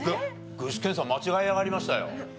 具志堅さん間違えやがりましたよ。